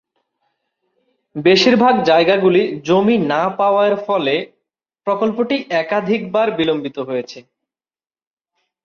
বেশিরভাগ জায়গাগুলি, জমি না পাওয়া এর ফলে প্রকল্পটি একাধিকবার বিলম্বিত হয়েছে।